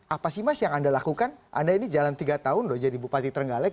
apa sih mas yang anda lakukan anda ini jalan tiga tahun loh jadi bupati terenggalek